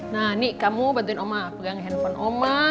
nah ini kamu bantuin oma pegang handphone oma